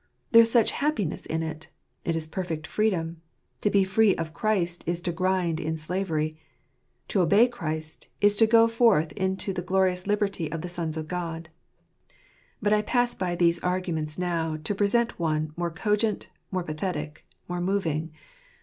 There is such happiness in it ; it is perfect freedom. To be free of Christ is to grind in slavery. To obey Christ — is to go forth into the glorious liberty of the sons of God. But I pass by these arguments now to present one more cogent, more pathetic, more moving.